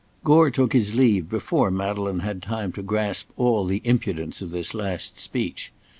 Gore took his leave before Madeleine had time to grasp all the impudence of this last speech.